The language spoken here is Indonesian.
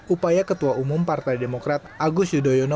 upaya ketua umum partai demokrat agus yudhoyono